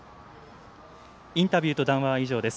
インタビューと談話は以上です。